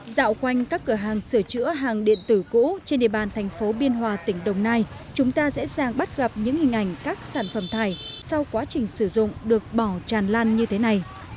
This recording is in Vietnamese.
dạo quanh các cửa hàng sửa chữa hàng điện tử cũ trên địa bàn thành phố biên hòa tỉnh đồng nai chúng ta dễ dàng bắt gặp những hình ảnh các sản phẩm thải sau quá trình sử dụng được bỏ tràn lan như thế này